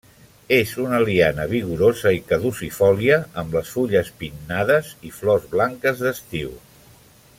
És una liana vigorosa i caducifòlia amb les fulles pinnades i flors blanques d'estiu.